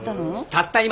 たった今。